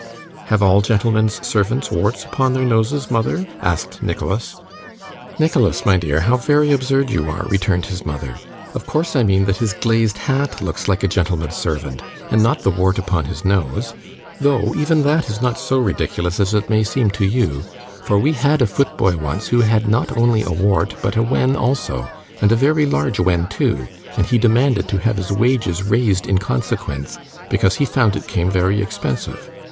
'Have all gentlemen's servants warts upon their noses, mother?' asked Nicholas. 'Nicholas, my dear, how very absurd you are,' returned his mother; 'of course I mean that his glazed hat looks like a gentleman's servant, and not the wart upon his nose; though even that is not so ridiculous as it may seem to you, for we had a footboy once, who had not only a wart, but a wen also, and a very large wen too, and he demanded to have his wages raised in consequence, because he found it came very expensive.